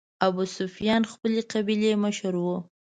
ابوسفیان خپلې قبیلې مشر و.